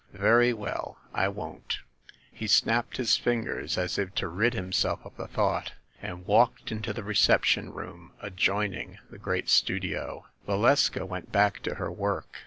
"Very well, I won't." He snapped his fingers as if to rid himself of the thought, and walked into the reception room adjoining the great studio. Valeska went back to her work.